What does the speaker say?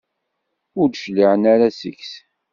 Ur d-cliɛen ara seg-s?